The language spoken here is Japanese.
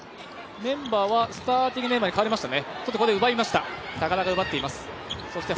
メンバーはスターティングメンバーに変わりました。